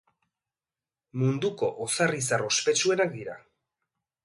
Munduko ozar-izar ospetsuenak dira.